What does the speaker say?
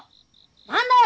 何だよ！